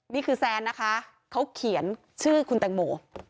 แซนนะคะเขาเขียนชื่อคุณแตงโม